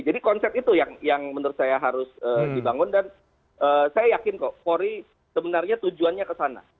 jadi konsep itu yang menurut saya harus dibangun dan saya yakin kok pori sebenarnya tujuannya ke sana